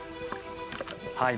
はい。